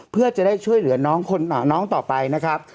เพื่อจะได้ช่วยเหลือน้องต่อไปนะครับ